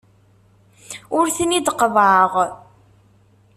Ur ten-id-qeḍḍɛeɣ.